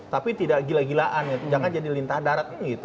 tapi tidak gila gilaan jangan jadi lintah darat